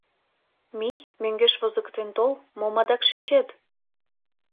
Мий, мӧҥгеш возыктен тол, мом адак шинчет?